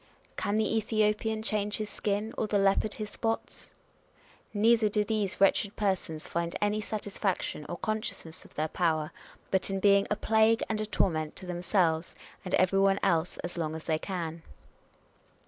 " Can the Ethiopian change his skin, or the leopard his spots ?" Neither do these wretched persons find any satisfaction or conscious ness of their power, but in being a plague and a torment to themselves and every one else as long as they can.